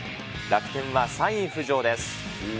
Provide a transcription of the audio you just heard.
楽天は３位浮上です。